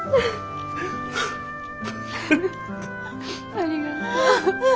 ありがとう。